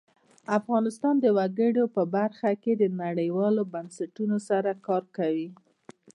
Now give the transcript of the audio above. افغانستان د وګړي په برخه کې نړیوالو بنسټونو سره کار کوي.